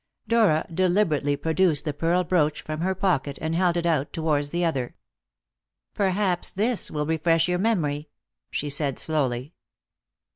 Dora deliberately produced the pearl brooch from her pocket, and held it out towards the other. "Perhaps this will refresh your memory?" she said slowly.